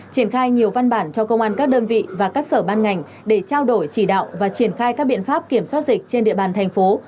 triển khai nhiều văn bản cho công an các đơn vị và các sở ban ngành để trao đổi chỉ đạo và triển khai các biện pháp kiểm soát dịch trên địa bàn thành phố